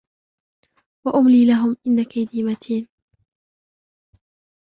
وأملي لهم إن كيدي متين